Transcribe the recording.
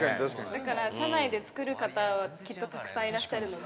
だから、社内で作る方きっとたくさんいらっしゃるので。